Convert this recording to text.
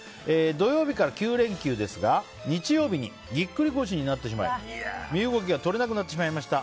土曜日から９連休ですが日曜日にぎっくり腰になってしまい身動きが取れなくなってしまいました。